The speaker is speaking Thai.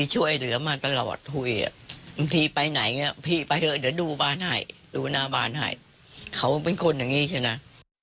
พี่ช่วยเหลือมาตลอดหุยอ่ะพี่ไปไหนเนี่ยพี่ไปเถอะเดี๋ยวดูบ้านไห่ดูหน้าบ้านไห่เขาเป็นคนอย่างงี้ใช่มั้ย